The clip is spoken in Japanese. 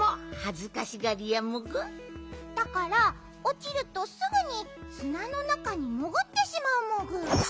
だからおちるとすぐにすなのなかにもぐってしまうモグ。